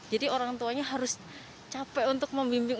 jadi orang tuanya harus capek untuk membimbing